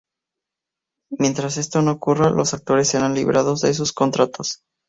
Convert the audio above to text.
Mientras esto no ocurra, los actores serán liberados de sus contratos.